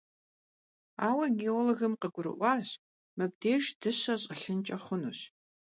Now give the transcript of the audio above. Ауэ геологым къыгурыӀуащ: мыбдеж дыщэ щӀэлъынкӀэ хъунущ.